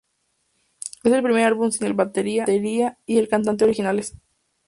Es el primer álbum sin el batería y el cantante originales.